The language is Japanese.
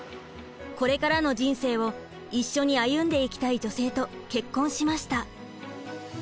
これからの人生を一緒に歩んでいきたい女性と結婚しました。